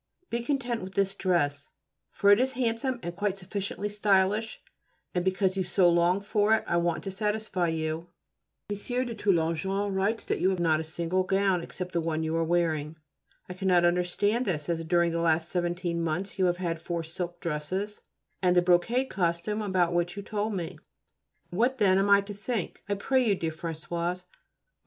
Be content with this dress, for it is handsome and quite sufficiently stylish, and because you so long for it I want to satisfy you. M. de Toulonjon writes that you have not a single gown except the one you are wearing. I cannot understand this, as during the last seventeen months you have had four silk dresses and the brocade costume about which you told me. What then am I to think, I pray you, dear Françoise? Oh!